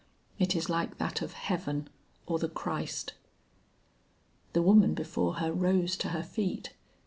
It is like that of heaven or the Christ." The woman before her rose to her feet.